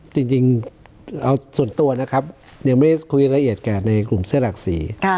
จริงเอาส่วนตัวนะครับยังไม่ได้คุยรายละเอียดแก่ในกลุ่มเสื้อหลักสี